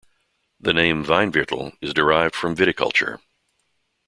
The name Weinviertel is derived from Viticulture.